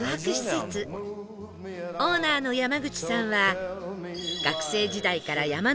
オーナーの山口さんは